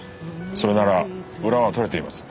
それなら裏は取れています。